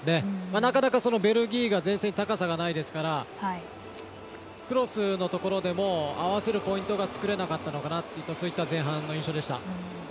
なかなかベルギーが前線に高さがないですからクロスのところでも合わせるポイントが作れなかったのかなとそういった前半の印象でした。